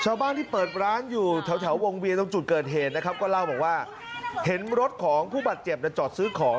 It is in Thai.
ชาวบ้านที่เปิดร้านอยู่แถววงเวียนตรงจุดเกิดเหตุนะครับก็เล่าบอกว่าเห็นรถของผู้บาดเจ็บจอดซื้อของ